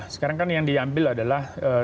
sekarang kan yang diambil adalah